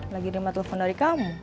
lagi di rumah telepon dari kamu